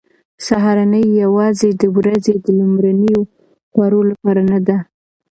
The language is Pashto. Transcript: سهارنۍ یوازې د ورځې د لومړنیو خوړو لپاره نه ده.